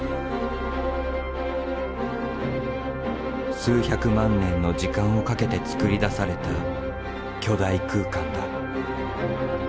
数百万年の時間をかけてつくり出された巨大空間だ。